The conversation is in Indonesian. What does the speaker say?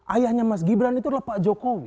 ayahnya mas gibran itu adalah pak jokowi